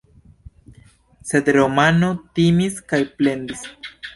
Sed Romano timis kaj plendis.